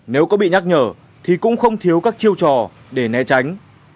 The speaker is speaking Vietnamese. nếu có bị nhắc nhở thì cũng không thiếu các chiêu trò để né tránh